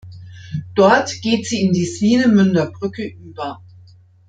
Dort geht sie in die Swinemünder Brücke über.